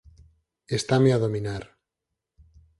Estame a dominar.